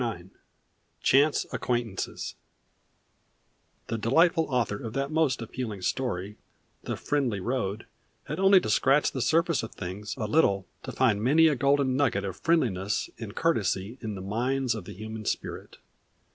IX CHANCE ACQUAINTANCES The delightful author of that most appealing story, "The Friendly Road," had only to scratch the surface of things a little to find many a golden nugget of friendliness and courtesy in the mines of the human spirit.